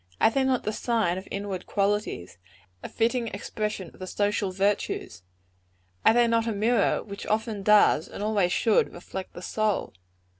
Are they not the sign of inward qualities a fitting expression of the social virtues? Are they not a mirror which often does, and always should, reflect the soul?